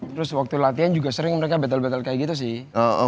terus waktu latihan juga sering mereka batal batal kayak gitu sih